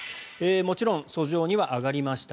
もちろん訴状には上がりました